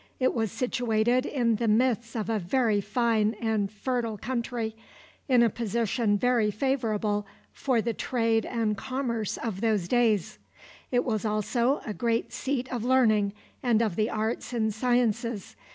It was situated in the midst of a very fine and fertile country, in a position very favorable for the trade and commerce of those days. It was also a great seat of learning and of the arts and sciences.